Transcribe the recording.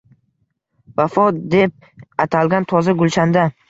Vafo deb atalgan toza gulshanda